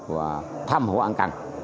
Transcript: và thăm hữu ăn cằn